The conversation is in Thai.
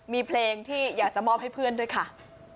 มีเพลงที่อยากจะมอบให้เพื่อนด้วยค่ะ